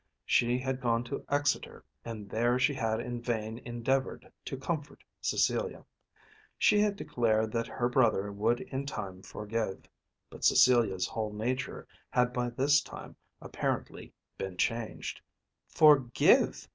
She had gone to Exeter and there she had in vain endeavoured to comfort Cecilia. She had declared that her brother would in time forgive. But Cecilia's whole nature had by this time apparently been changed. "Forgive!"